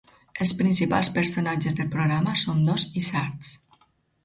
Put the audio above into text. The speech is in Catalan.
Els principals personatges del programa són dos isards: